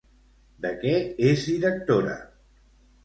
De què és directora?